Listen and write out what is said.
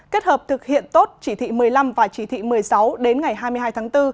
kết hợp thực hiện tốt chỉ thị một mươi năm và chỉ thị một mươi sáu đến ngày hai mươi hai tháng bốn